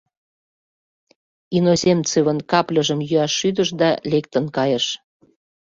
Иноземцевын капльыжым йӱаш шӱдыш да лектын кайыш.